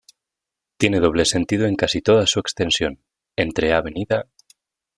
Tiene doble sentido en casi toda su extensión, entre Av.